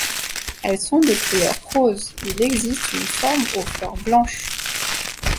Elles sont de couleur rose; il existe une forme aux fleurs blanches.